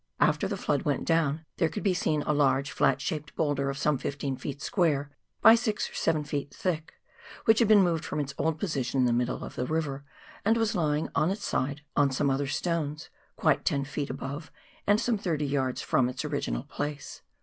After the flood went down, there could be seen a large flat shaped boulder of some 15 ft. square by 6 or 7 ft. thick, which had been moved from its old position in the middle of the river, and was lying on its side on some other stones — quite ten feet above, and some thirty yards from its original place.